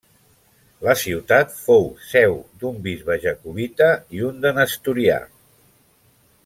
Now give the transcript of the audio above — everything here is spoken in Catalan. La ciutat fou seu d'un bisbe jacobita i un de nestorià.